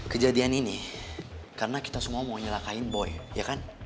kejadian ini karena kita semua mau nyalakain boy ya kan